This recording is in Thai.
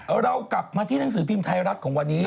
เรากลับมาที่หนังสือพิมพ์ไทยรัฐของวันนี้